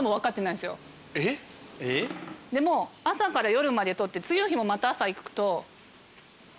でもう朝から夜まで撮って次の日もまた朝行くと。